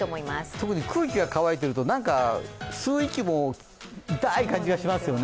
特に空気が乾いていると吸う息も痛い感じがしますよね。